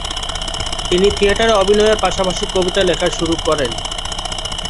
তিনি থিয়েটারে অভিনয়ের পাশাপাশি কবিতা লেখা শুরু করেন।